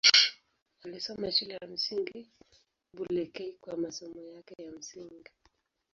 Alisoma Shule ya Msingi Bulekei kwa masomo yake ya msingi.